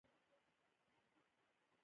د هیر د قوانینو ټولګه ثبت شوه.